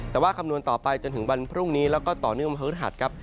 แต่ว่าคำนวณต่อไปจนถึงวันพรุ่งนี้แล้วก็ต่อเนื่องวันพฤหัสครับ